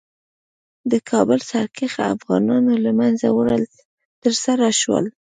د کابل سرکښه افغانانو له منځه وړل ترسره شول.